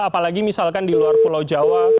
apalagi misalkan di luar pulau jawa